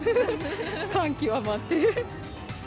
感極まって。